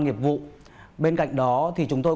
nghiệp vụ bên cạnh đó thì chúng tôi